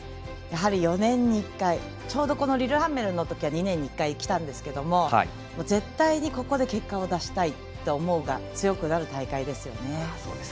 やはり４年に１回ちょうどリレハンメルのときは２年に１回きてたんですけど絶対ここで結果を出したいという思いが強くなる大会ですよね。